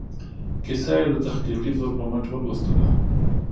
کیسه یې د تخلیقي زور په مټ ولوسته.